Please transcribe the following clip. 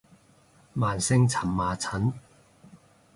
慢性蕁麻疹